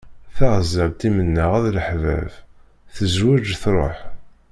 Taɣzalt i mennaɣ a leḥbab, tezweǧ truḥ.